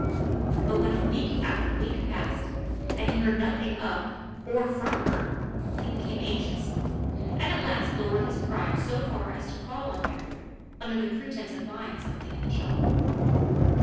But when a week after week passed, and he heard nothing of or from her, he became anxious, and at last lowered his pride so far as to call on Mary, under the pretense of buying something in the shop.